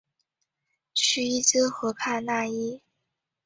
叙伊兹河畔讷伊。